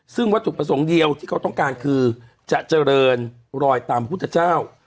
ซึ่งวัตถุประสงค์เดียวที่เขาต้องการคือจะเจริญรอยตามพุทธเจ้า